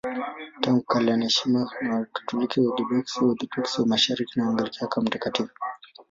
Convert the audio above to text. Tangu kale anaheshimiwa na Wakatoliki, Waorthodoksi, Waorthodoksi wa Mashariki na Waanglikana kama mtakatifu.